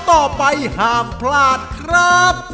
ต่อไปห้ามพลาดครับ